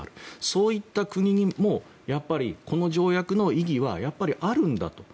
そういった国にもこの条約の意義はやっぱりあるんだと。